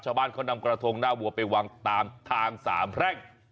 ชาวบ้านเขานำกระทงหน้าวัวไปวางตามทางสามแพร่ง